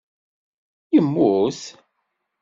Yemmut?